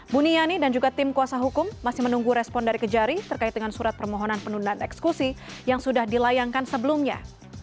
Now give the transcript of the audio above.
buniani dan juga tim kuasa hukum masih menunggu respon dari kejari terkait dengan surat permohonan penundaan eksekusi yang sudah dilayangkan sebelumnya